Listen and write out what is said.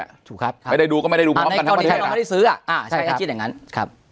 ใช่ถูกครับไม่ได้ดูก็ไม่ได้ดูอ่าใช่อาจิตอย่างงั้นครับ